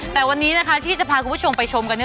แต่วันนี้นะคะที่จะพาคุณผู้ชมไปชมกัน